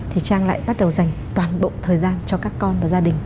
thì trang lại bắt đầu dành toàn bộ thời gian cho các con và gia đình